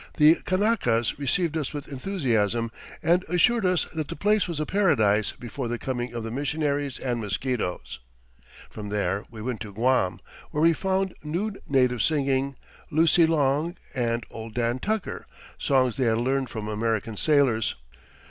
The Kanakas received us with enthusiasm and assured us that the place was a paradise before the coming of the missionaries and mosquitoes. From there we went to Guam, where we found nude natives singing 'Lucy Long' and 'Old Dan Tucker,' songs they had learned from American sailors.